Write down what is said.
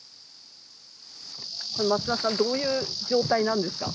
これ松澤さんどういう状態なんですか？